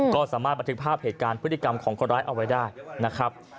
ก็สามารถบันทึกภาพเหตุการณ์พฤติกรรมของคนร้ายเอาไว้ได้นะครับ